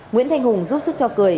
nguyễn thanh hùng giúp sức cho cười